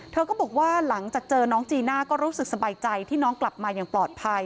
เธอก็บอกว่าหลังจากเจอน้องจีน่าก็รู้สึกสบายใจที่น้องกลับมาอย่างปลอดภัย